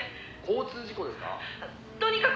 「交通事故ですか？」